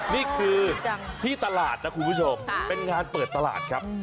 นี่คือที่ตลาดนะคุณผู้ชมเป็นงานเปิดตลาดครับ